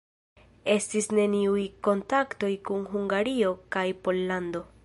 Estis neniuj kontaktoj kun Hungario kaj Pollando.